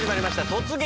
「突撃！